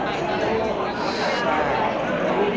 อันนี้ก็บอกได้เอาไหม